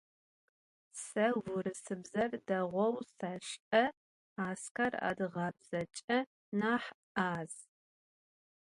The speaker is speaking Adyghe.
Se vurısıbzer değou seş'e, Asker adıgabzeç'e nah 'az.